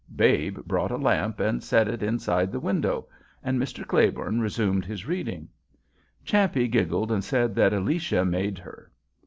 Babe brought a lamp and set it inside the window, and Mr. Claiborne resumed his reading. Champe giggled and said that Alicia made her.